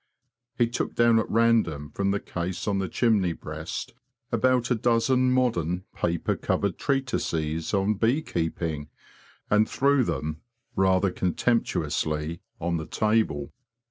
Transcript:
'' He took down at kangen from the case on the 169 190 THE BEE MASTER OF WARRILOW chimney breast about a dozen modern, paper covered treatises on bee keeping, and threw them, rather contemptuously, on the table.